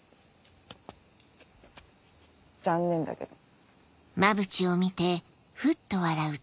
残念だけど。